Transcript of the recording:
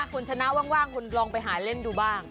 คุณชนะว่างคุณลองไปหาเล่นดูบ้าง